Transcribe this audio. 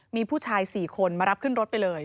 มีผู้ชาย๔คนมารับขึ้นรถไปเลย